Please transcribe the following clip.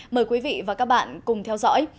mời quý vị và các bạn cùng theo dõi